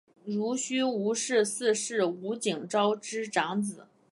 濡须吴氏四世吴景昭之长子。